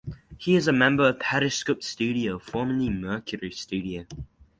He is a member of Periscope Studio, formerly Mercury Studio.